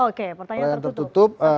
oke pertanyaan tertutup